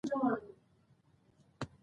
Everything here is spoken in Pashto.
کانونه ملي شتمني ده.